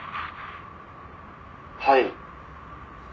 「はい」